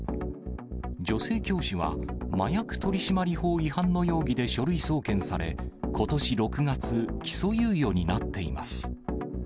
女性教師は麻薬取締法違反の容疑で書類送検され、ことし６月、起訴猶予になっています。